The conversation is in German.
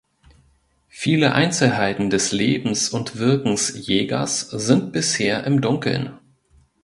Viele Einzelheiten des Lebens und Wirkens Jägers sind bisher im Dunkeln.